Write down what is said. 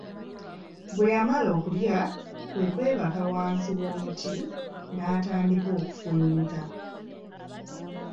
Bwe yamala okulya kwe kwebaka wansi w'omuti n'atandika okufuluta.